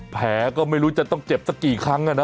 แผลก็ไม่รู้จะต้องเจ็บสักกี่ครั้ง